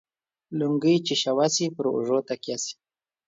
لنگۍ چې شوه سي ، پر اوږو تکيه سي.